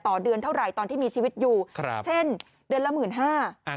เดือนเท่าไหร่ตอนที่มีชีวิตอยู่ครับเช่นเดือนละหมื่นห้า